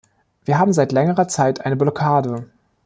Wir haben seit längerer Zeit eine Blockade.